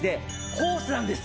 ホースなんです！